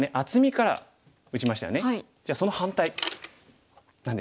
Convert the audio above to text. じゃあその反対何でしょう？